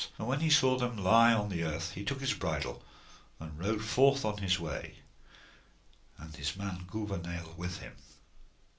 And when he saw them lie on the earth he took his bridle, and rode forth on his way, and his man Gouvernail with him.